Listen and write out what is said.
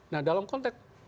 nah dalam konteks